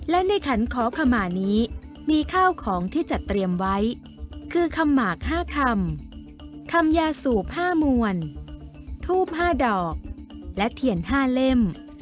และในขันขอขมานี้มีข้าวของที่จัดเตรียมไว้คือคำหมาก๕คำคำยาสูบ๕มวลทูบ๕ดอกและเทียน๕เล่ม